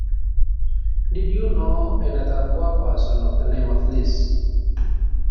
Did you know another poor person of the name of Liz?